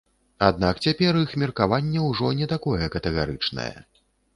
Аднак цяпер іх меркаванне ўжо не такое катэгарычнае.